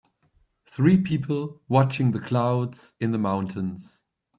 Three people watching the clouds in the mountains.